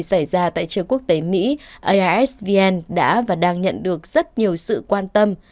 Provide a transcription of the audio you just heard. xảy ra tại trường quốc tế mỹ aisvn đã và đang nhận được rất nhiều sự quan tâm